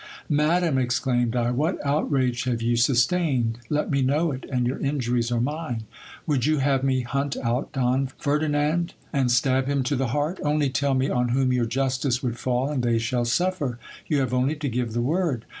Madam, exclaimed I, what outrage have you sustained ? Let me know it, and your injuries are mine. Would you have me hunt out Don Ferdinand, and stab him to the heart ? Only tell me on whom your justice would fall, and they shall suffer. You have only to give the word.